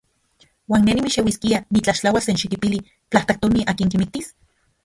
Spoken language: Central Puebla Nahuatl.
¿Uan ne nimixeuiskia nitlaxtlauas senxikipili platajtomin akin kimiktis?